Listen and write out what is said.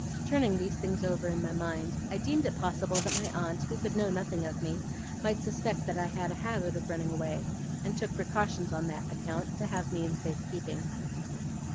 Turning these things over in my mind I deemed it possible that my aunt, who could know nothing of me, might suspect I had a habit of running away, and took precautions, on that account, to have me in safe keeping.